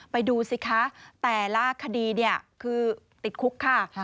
ดูสิคะแต่ละคดีคือติดคุกค่ะ